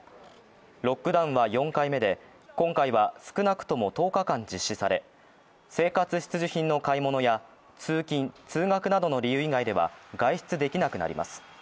ロックダウンは４回目で、今回は少なくとも１０日間実施され生活必需品の買い物や通勤・通学などの理由以外では外出できなくなります。